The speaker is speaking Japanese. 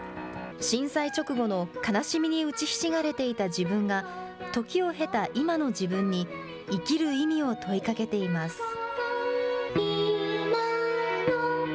震災直後の悲しみに打ちひしがれていた自分が、時を経た今の自分に、生きる意味を問いかけています。